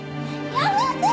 やめて！